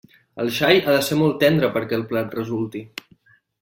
El xai ha de ser molt tendre perquè el plat resulti.